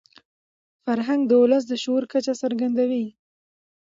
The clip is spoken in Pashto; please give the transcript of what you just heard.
فرهنګ د ولس د شعور کچه څرګندوي.